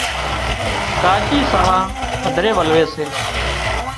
ڪاچي ساهََه هڌرِي ولوي سي